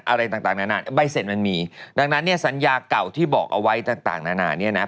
อะไรต่างนานาใบเสร็จมันมีดังนั้นเนี่ยสัญญาเก่าที่บอกเอาไว้ต่างนานาเนี่ยนะ